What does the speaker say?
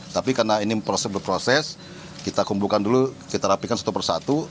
tapi karena ini proses berproses kita kumpulkan dulu kita rapikan satu persatu